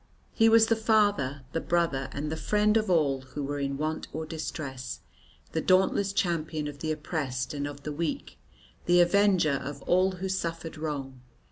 He was the father, the brother and the friend of all who were in want or distress; the dauntless champion of the oppressed and of the weak, the avenger of all who suffered wrong.